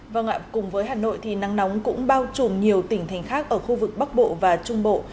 vâng ạ cùng với hà nội thì nắng nóng cũng bao trùm nhiều tỉnh thành khác ở khu vực bắc bộ và trung bộ